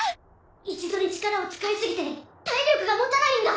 一度に力を使いすぎて体力が持たないんだ。